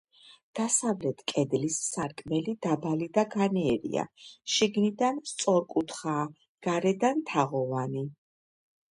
დასავლეთ კედლის სარკმელი დაბალი და განიერია, შიგნიდან სწორკუთხაა, გარედან თაღოვანი.